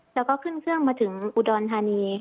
แล้วก็ขึ้นเครื่องมาถึงอุดรธานี